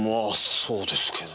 そうですけど。